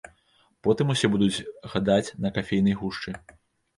Потым усе будуць гадаць на кафейнай гушчы.